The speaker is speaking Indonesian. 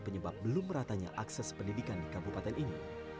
sebab belum ratanya akses pendidikan di kabupaten ini